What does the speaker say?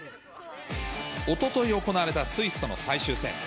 おととい行われたスイスとの最終戦。